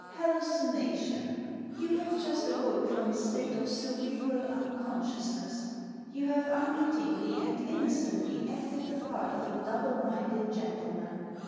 " Hallucination. You have just awoke from a state of cerebral unconsciousness. You have unwittingly and innocently acted the part of a double minded gentleman.